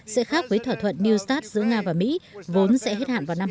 sẽ khác với thỏa thuận new start giữa nga và mỹ vốn sẽ hết hạn vào năm hai nghìn hai